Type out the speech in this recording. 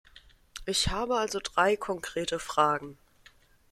Ich habe also drei konkrete Fragen.